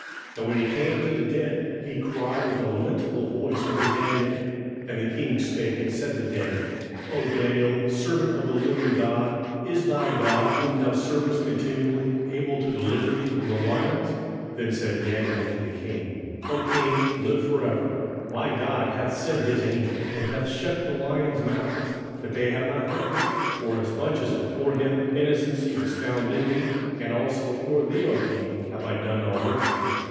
27:006:020 And when he came to the den, he cried with a lamentable voice unto Daniel: and the king spake and said to Daniel, O Daniel, servant of the living God, is thy God, whom thou servest continually, able to deliver thee from the lions? 27:006:021 Then said Daniel unto the king, O king, live for ever. 27:006:022 My God hath sent his angel, and hath shut the lions' mouths, that they have not hurt me: forasmuch as before him innocency was found in me; and also before thee, O king, have I done no hurt.